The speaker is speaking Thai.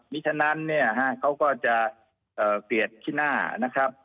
มีฉะนั้นเนี่ยฮะเขาก็จะเกลียดขี้หน้านะครับ